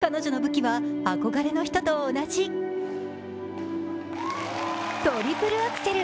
そう、彼女の武器は憧れの人と同じトリプルアクセル。